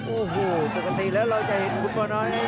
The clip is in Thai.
โอ้โหปกติแล้วเราจะเห็นคุณพ่อน้อย